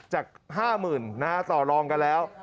จาก๕๐๐๐ต่อรองกันแล้ว